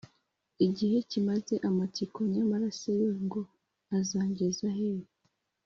igihe kimaze amatsiko nyamara se yo ngo azangeza hehe?